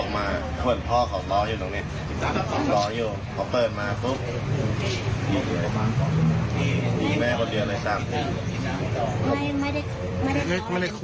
ไม่ได้คุยไม่ได้ถามอะไร